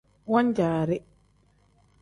Wan-jaari.